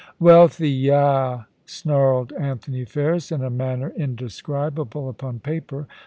* Wealthy — yah I' snarled Anthony Ferris, in a manner indescribable upon paper.